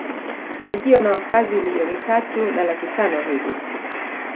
Likiwa na wakazi milioni tatu na laki tano hivi